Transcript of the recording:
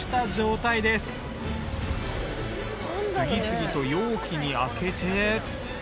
次々と容器に空けて。